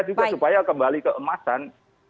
juga supaya kembali keemasan